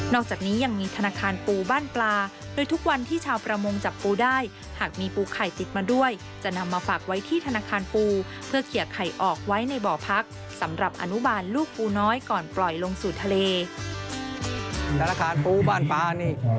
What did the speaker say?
จากนี้ยังมีธนาคารปูบ้านปลาโดยทุกวันที่ชาวประมงจับปูได้หากมีปูไข่ติดมาด้วยจะนำมาฝากไว้ที่ธนาคารปูเพื่อเคลียร์ไข่ออกไว้ในบ่อพักสำหรับอนุบาลลูกปูน้อยก่อนปล่อยลงสู่ทะเล